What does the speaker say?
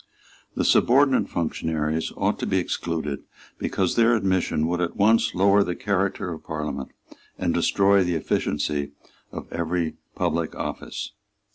The subordinate functionaries ought to be excluded, because their admission would at once lower the character of Parliament and destroy the efficiency of every public office.